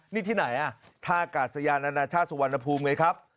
นี่ที่ไหนท่ากาศยานานาชาติสุวรรณภูมิไงครับ